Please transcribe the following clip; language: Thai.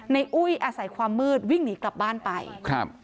อุ้ยอาศัยความมืดวิ่งหนีกลับบ้านไปครับ